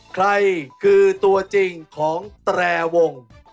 ใครคือตัวจริงของแตรวง